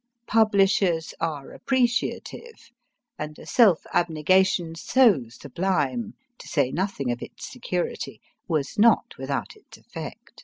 Publishers are appreciative ; and a self abnegation so sublime, to say nothing of its security, was not without its effect.